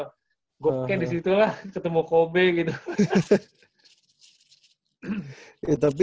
gue kayak disitulah ketemu kobe gitu